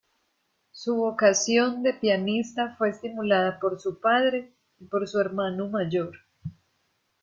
Su vocación de pianista fue estimulada por su padre y por su hermano mayor.